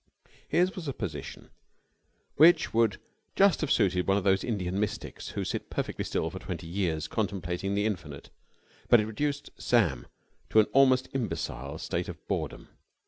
His was a position which would just have suited one of those Indian mystics who sit perfectly still for twenty years, contemplating the Infinite; but it reduced Sam to an almost imbecile state of boredom.